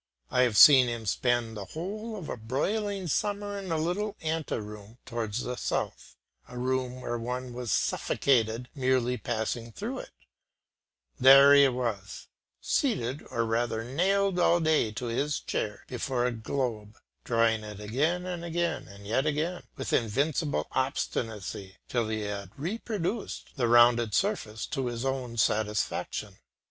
I have seen him spend the whole of a broiling summer in a little ante room towards the south, a room where one was suffocated merely passing through it; there he was, seated or rather nailed all day to his chair, before a globe, drawing it again and again and yet again, with invincible obstinacy till he had reproduced the rounded surface to his own satisfaction.